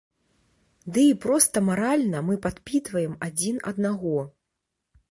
Ды і проста маральна мы падпітваем адзін аднаго.